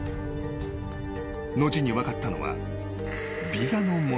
［後に分かったのは］